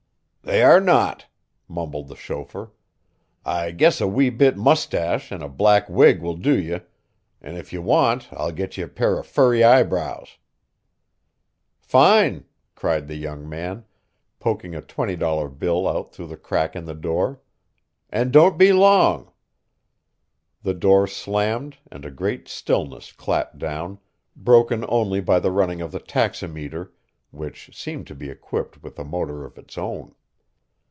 "They are not," mumbled the chauffeur. "I guess a wee bit mustache an' a black wig will do ye, an' if ye want I'll get ye a pair of furry eyebrows." "Fine," cried the young man, poking a $20 bill out through the crack in the door, "and don't be long." The door slammed and a great stillness clapped down, broken only by the running of the taximeter, which seemed to be equipped with a motor of its own.